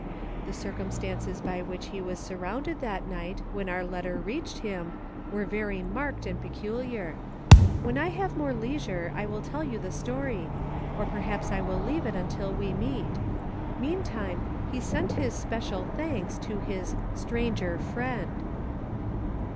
The circumstances by which he was surrounded that night when our letter reached him, were very marked and peculiar. When I have more leisure I will tell you the story, or perhaps I will leave it until we meet ; meantime, he sent his special thanks to his 'stranger friend'."